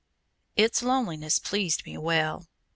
Its loneliness pleased me well.